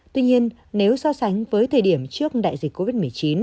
tuy nhiên nếu so sánh với thời điểm trước đại dịch covid một mươi chín